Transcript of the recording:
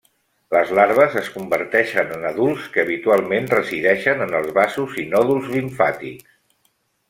Les larves es converteixen en adults que habitualment resideixen en els vasos i nòduls limfàtics.